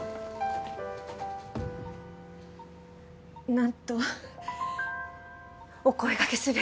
なんとお声がけすべきか。